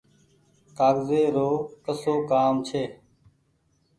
ڪآگزي رو ڪسو ڪآم ڇي ۔